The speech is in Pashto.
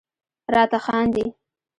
راته خاندي..